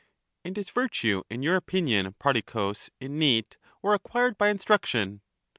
And is virtue in your opinion, Prodicus, innate or acquired by instruction?